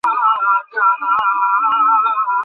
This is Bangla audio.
মূসা বলল, হে আমার প্রতিপালক!